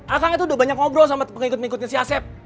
akang itu udah banyak ngobrol sama pengikut pengikutnya si asep